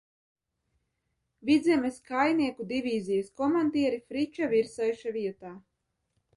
Vidzemes kājnieku divīzijas komandieri Friča Virsaiša vietā.